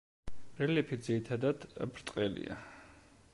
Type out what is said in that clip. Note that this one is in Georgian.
რელიეფი ძირითადად ბრტყელია.